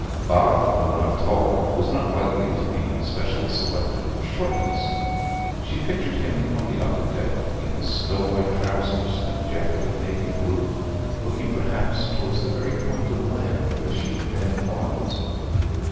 Bob, though not tall, was not likely to be specially selected for shortness. She pictured him on the upper deck, in his snow white trousers and jacket of navy blue, looking perhaps towards the very point of land where she then was.